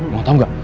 mau tau gak